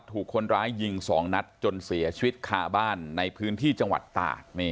ถูกคนร้ายยิง๒นัดจนเสียชีวิตคาบ้านในพื้นที่จังหวัดตาก